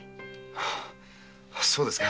そうですか。